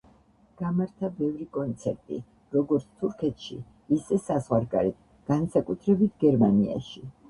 გამართა ბევრი კონცერტი, როგორც თურქეთში, ისე საზღვარგარეთ, განსაკუთრებით გერმანიაში.